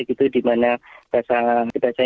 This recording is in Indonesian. gitu di mana bahasa